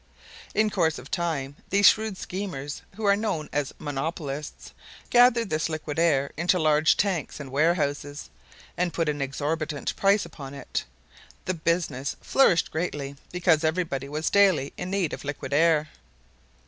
In course of time these shrewd schemers, who are known as monopolists, gathered this liquid air into large tanks and warehouses, and put an exorbitant price upon it. The business flourished greatly because everybody was daily in need of liquid air.